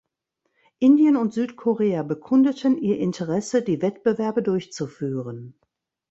Indien und Südkorea bekundeten ihr Interesse die Wettbewerbe durchzuführen.